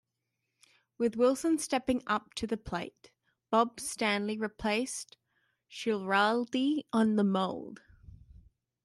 With Wilson stepping up to the plate, Bob Stanley replaced Schiraldi on the mound.